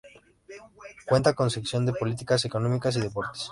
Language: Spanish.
Cuenta con secciones de Política, Economía, y Deportes.